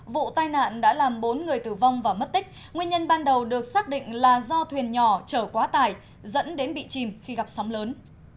vụ tai nạn đã làm bốn người tử vong và mất tích nguyên nhân ban đầu được xác định là do thuyền nhỏ chở quá tải dẫn đến bị chìm khi gặp sóng lớn